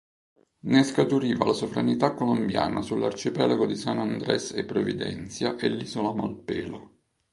Ne scaturiva la sovranità colombiana sull'arcipelago di San Andres e Providencia e l'isola Malpelo.